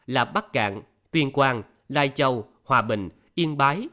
là bắc cạn tuyên quang lai châu hòa bình yên bái